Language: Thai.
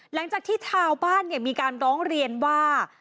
หลังจากที่ชาวบ้านมีการร้องเรียนว่า